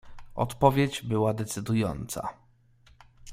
"Odpowiedź była decydująca."